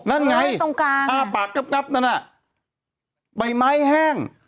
มันไงนั่นใบไม้แห้ง